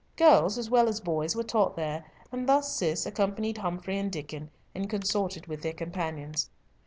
Girls, as well as boys, were taught there, and thus Cis accompanied Humfrey and Diccon, and consorted with their companions.